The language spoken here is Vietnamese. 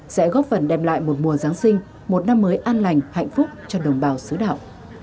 sẽ góp phần đem lại một mùa giáng sinh một năm mới an lành hạnh phúc cho đồng bào xứ đạo